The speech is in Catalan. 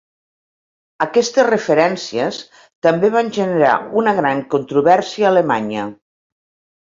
Aquestes referències també van generar una gran controvèrsia a Alemanya.